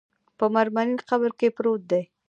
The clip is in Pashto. په مرمرین قبر کې پروت دی.